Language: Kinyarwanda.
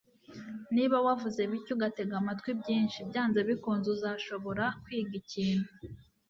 Niba wavuze bike ugatega amatwi byinshi, byanze bikunze uzashobora kwiga ikintu.